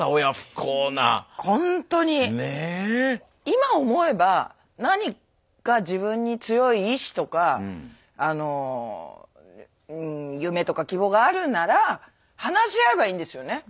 今思えば何か自分に強い意志とかあの夢とか希望があるなら話し合えばいいんですよね。